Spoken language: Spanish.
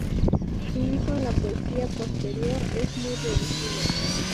Su uso en la poesía posterior es muy reducido.